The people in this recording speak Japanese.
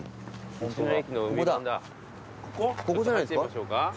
ここじゃないですか？